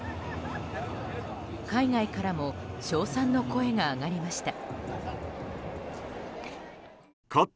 海外からも称賛の声が上がりました。